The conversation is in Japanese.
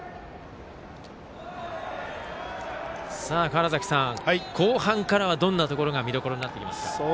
川原崎さん、後半からはどんなところが見どころになってきますか。